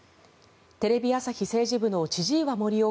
テレビ朝日政治部の千々岩森生